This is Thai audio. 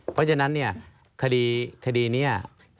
เพราะฉะนั้นเนี่ยคดีนี้